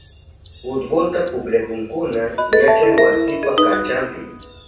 Futbolta pukllahunkuna yachaywasipa kanchanpi.